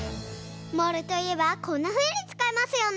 モールといえばこんなふうにつかいますよね。